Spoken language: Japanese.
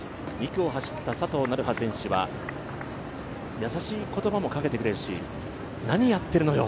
２区を走った佐藤成葉選手は優しい言葉もかけてくれるし、「何やってるのよ」